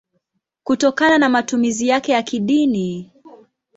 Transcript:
kutokana na matumizi yake ya kidini.